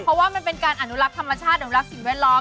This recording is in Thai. เพราะว่ามันเป็นการอนุรักษ์ธรรมชาติอนุรักษ์สิ่งแวดล้อม